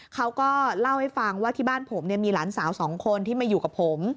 เขาก็เล่าให้ฟังว่าที่บ้านผมมีหลานสาวสองคนที่มาอยู่กับผม